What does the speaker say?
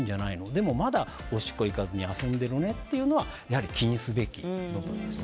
でもまだ、おしっこ行かずに遊んでるねというのは気にすべき点です。